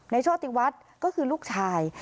ในโชติวัดก็คือลูกชาย